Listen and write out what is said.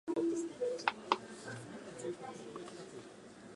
昨日の明日は今日だ